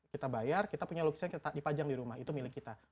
kita bayar kita punya lukisan dipajang di rumah itu milik kita